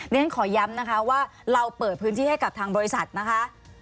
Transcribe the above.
ฉันขอย้ำนะคะว่าเราเปิดพื้นที่ให้กับทางบริษัทนะคะ